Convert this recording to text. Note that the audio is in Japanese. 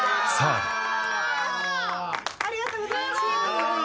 ありがとうございます！